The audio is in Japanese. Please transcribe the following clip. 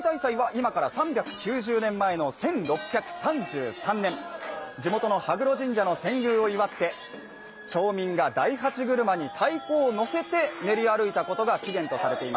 今から３９０年前の１６３３年、地元の羽黒神社を祝って、町民が大八車に太鼓を乗せて練り歩いたことがはじめです。